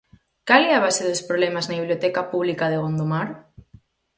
Cal é a base dos problemas na Biblioteca Pública de Gondomar?